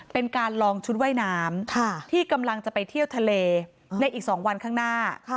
เป็นการลองชุดว่ายน้ำที่กำลังจะไปเที่ยวทะเลในอีก๒วันข้างหน้า